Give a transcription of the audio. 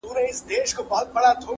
• هره تيږه يې پاميرؤ -